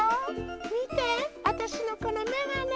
みてあたしのこのめがね。